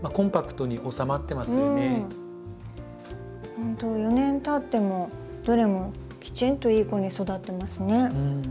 ほんと４年たってもどれもきちんといい子に育ってますね。